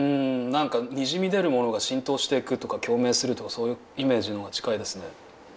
何かにじみ出るものが浸透してくとか共鳴するとかそういうイメージのほうが近いですね。